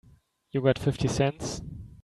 You got fifty cents?